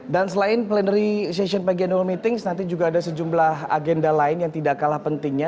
dan selain plenary session pagi annual meetings nanti juga ada sejumlah agenda lain yang tidak kalah pentingnya